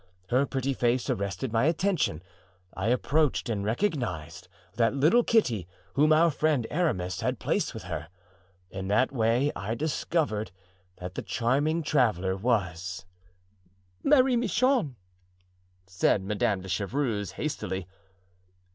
Her pretty face arrested my attention; I approached and recognized that little Kitty whom our friend Aramis had placed with her. In that way I discovered that the charming traveler was——" "Marie Michon!" said Madame de Chevreuse, hastily.